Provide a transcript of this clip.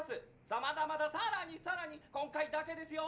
さっまだまださらにさらに今回だけですよ！